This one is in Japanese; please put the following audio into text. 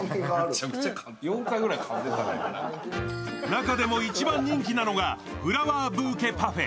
中でも一番人気なのがフラワーブーケパフェ。